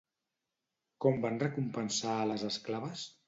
Com van recompensar a les esclaves?